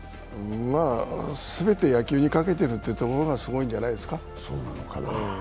全て野球にかけてるってところがすごいんじゃないですかね。